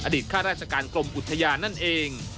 อดิษฐ์ข้าราชการกลมอุทยานั่นเอง